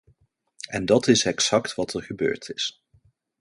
En dat is exact wat er gebeurd is.